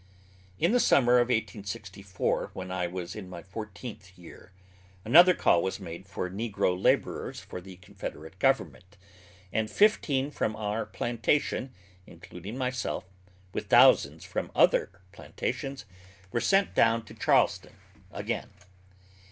In the summer of 1864, when I was in my fourteenth year, another call was made for negro laborers for the Confederate government, and fifteen from our plantation, including myself, with thousands from other plantations, were sent down to Charleston again.